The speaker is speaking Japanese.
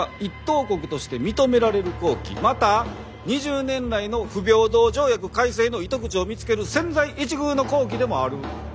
また２０年来の不平等条約改正の糸口を見つける千載一遇の好機でもある。